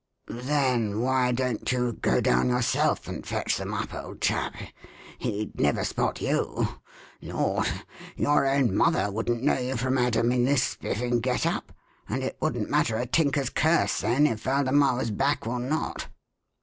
"Then why don't you go down yourself and fetch them up, old chap? He'd never spot you. Lord! your own mother wouldn't know you from Adam in this spiffing get up. And it wouldn't matter a tinker's curse then if Waldemar was back or not."